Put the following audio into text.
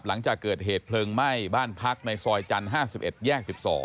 หลังจากเกิดเหตุเพลิงไหม้บ้านพักในซอยจันทร์๕๑แยก๑๒